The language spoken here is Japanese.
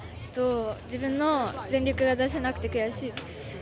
自分の全力が出せなくて悔しいです。